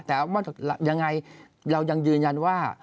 แต่ว่ายังไงเรายังยืนยันว่า